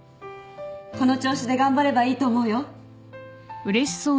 この調子で頑張ればいいと思うよ。